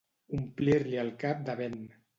Omplir-li el cap de vent.